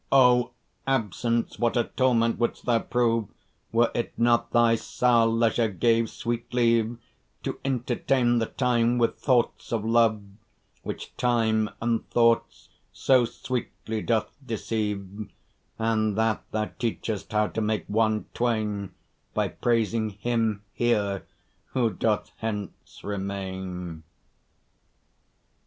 O absence! what a torment wouldst thou prove, Were it not thy sour leisure gave sweet leave, To entertain the time with thoughts of love, Which time and thoughts so sweetly doth deceive, And that thou teachest how to make one twain, By praising him here who doth hence remain.